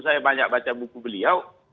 saya banyak baca buku beliau